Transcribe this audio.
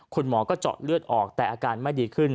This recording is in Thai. คุณหมอก็เจาะเลือดออกแต่อาการไม่ดีขึ้น